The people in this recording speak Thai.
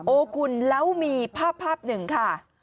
โอ้คุณแล้วมีภาพหนึ่งค่ะ